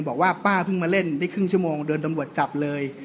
บอกว่าป้าเพิ่งมาเล่นได้ครึ่งชั่วโมงโดนตำรวจจับเลย